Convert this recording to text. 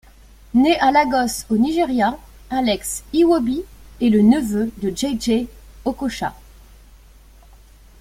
Né à Lagos au Nigeria, Alex Iwobi est le neveu de Jay-Jay Okocha.